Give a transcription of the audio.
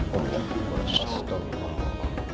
tapi kita menghina allah